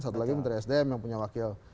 satu lagi menteri sdm yang punya wakil